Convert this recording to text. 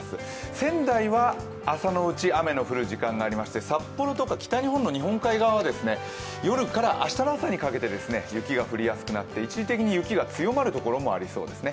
仙台は朝のうち雨の降る時間がありまして札幌とか北日本の日本海側は夜から明日の朝にかけて雪が降りやすくなって一時的に雪が強まるところもありそうですね。